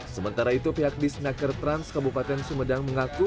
sementara itu pihak disnaker trans kabupaten sumedang mengaku